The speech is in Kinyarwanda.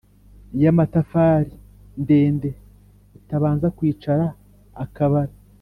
Y amatafari ndende utabanza kwicara akabara